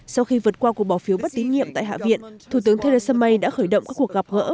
sau khi vượt qua cuộc bỏ phiếu bất tín nhiệm tại hạ viện thủ tướng theresa may đã khởi động các cuộc gặp gỡ